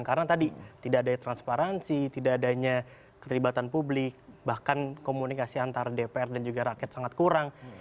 karena tadi tidak ada transparansi tidak adanya ketelibatan publik bahkan komunikasi antara dpr dan juga rakyat sangat kurang